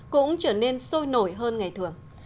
cũng trở nên sôi nổi hơn ngày thường